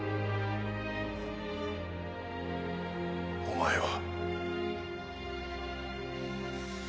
お前は。